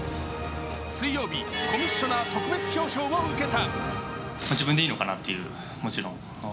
水曜日、コミッショナー特別表彰を受けた。